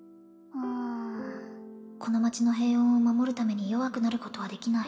うんこの町の平穏を守るために弱くなることはできない